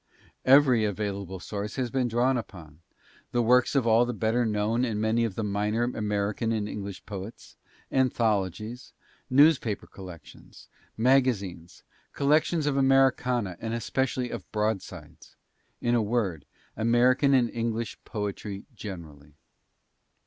Every available source has been drawn upon the works of all the better known and many of the minor American and English poets, anthologies, newspaper collections, magazines, collections of Americana and especially of broadsides in a word, American and English poetry generally.